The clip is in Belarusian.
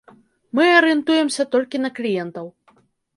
Мы арыентуемся толькі на кліентаў.